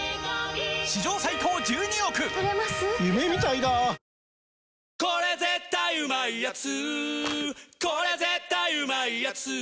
「日清これ絶対うまいやつ」